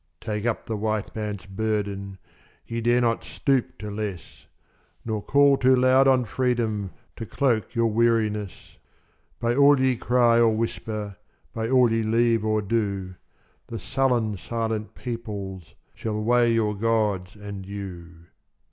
Take up the White Man's burden Ye dare not stoop to less Nor call too loud on Freedom To cloak your weariness; By all ye cry or whisper, By all ye leave or do, The silent, sullen peoples Shall weigh your Gods and you.